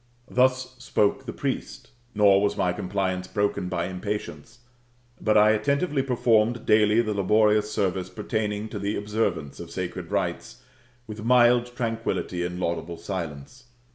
Thus spoke the priest, nor was my compliance broken by impatience; but I attentively performed daily the laborious service pertaining to the observance of sacred rites, with mild tranquility and laudable silence.